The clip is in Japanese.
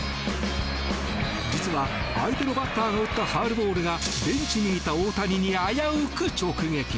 実は相手のバッターが打ったファウルボールがベンチにいた大谷に危うく直撃。